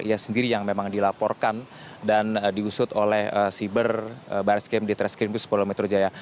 ia sendiri yang memang dilaporkan dan diusut oleh siber baris kmd tres krimsus polda mitrojaya